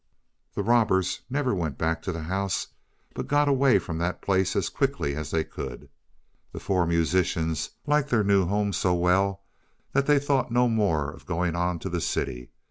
The robbers never went back to the house, but got away from that place as quickly as they could. The four musicians liked their new home so well that they thought no more of going on to the city.